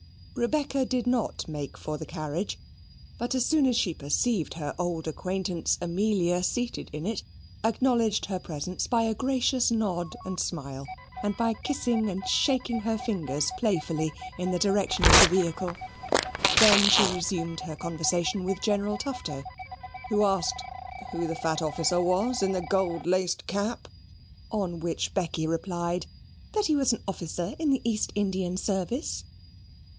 Rebecca did not make for the carriage; but as soon as she perceived her old acquaintance Amelia seated in it, acknowledged her presence by a gracious nod and smile, and by kissing and shaking her fingers playfully in the direction of the vehicle. Then she resumed her conversation with General Tufto, who asked "who the fat officer was in the gold laced cap?" on which Becky replied, "that he was an officer in the East Indian service."